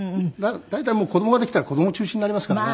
大体もう子どもができたら子ども中心になりますからね。